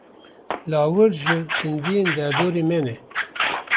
Lawir ji zindiyên derdora me ne.